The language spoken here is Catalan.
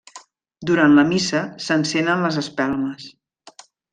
Durant la missa, s'encenen les espelmes.